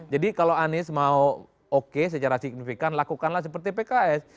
jadi kalau anies mau oke secara signifikan lakukanlah seperti pks